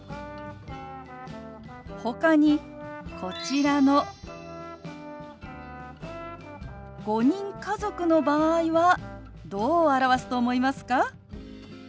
ほかにこちらの５人家族の場合はどう表すと思いますか？